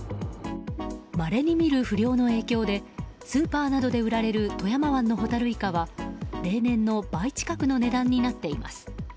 まれに見る不漁の影響でスーパーなどで売られる富山湾のホタルイカは例年の倍近くの値段になっています。